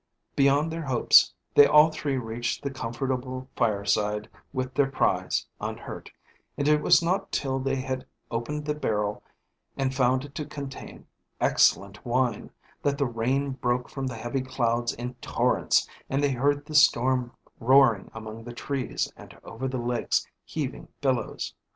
Beyond their hopes, they all three reached the comfortable fireside with their prize, unhurt; and it was not till they had opened the barrel, and found it to contain excellent wine, that the rain broke from the heavy clouds in torrents, and they heard the storm roaring among the trees, and over the lake's heaving billows.